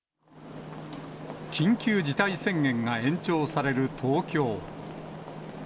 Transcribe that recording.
緊急事態宣言が延長される東京。